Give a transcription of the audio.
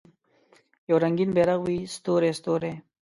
یو رنګین بیرغ وي ستوری، ستوری